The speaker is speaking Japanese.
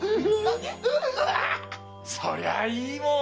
そりゃあいいもん。